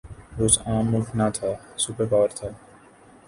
روس عام ملک نہ تھا، سپر پاور تھا۔